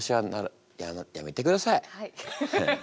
はい。